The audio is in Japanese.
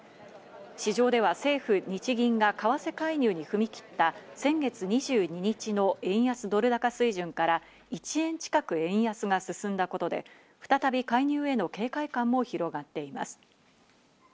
市場では政府・日銀が為替介入に踏み切った先月２２日の円安ドル高水準から１円近く円安が進んだことで、再び介入への警戒感も広がっています。